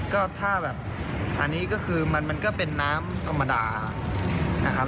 ก็ถ้าแบบอันนี้ก็คือมันก็เป็นน้ำธรรมดานะครับ